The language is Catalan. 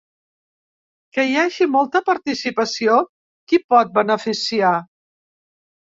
Que hi hagi molta participació qui pot beneficiar?